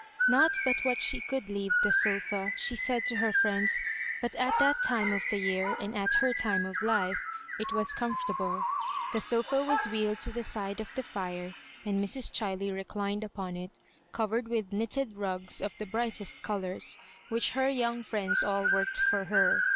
Not but what she could leave the S0&, she said to her friends, but at that time of the year, and at her time of life, it was comfort able. The sofa was wheeled to the side of the fire, and Mrs. Chiley reclined upon it, covered with knitted rugs of the brightest colours, which her young friends all worked for her.